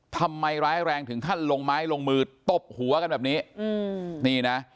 ทำร้ายแรงถึงขั้นลงไม้ลงมือตบหัวกันแบบนี้อืมนี่นะ